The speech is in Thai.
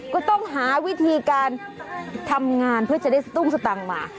ก็ต้องหาวิธีการทำงานเพื่อจะได้สตุ้งสตังค์มา